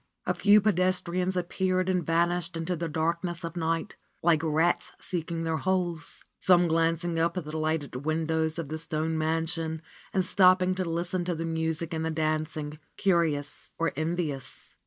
A few pedestrians appeared and vanished into the darkness of night, like rats seeking their holes, some glancing up at the lighted windows of the stone mansion and stopping to listen to the music and the dancing, curious or en vious.